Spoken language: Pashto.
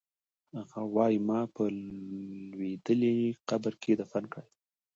هغه وایی ما په لوېدلي قبر کې دفن کړئ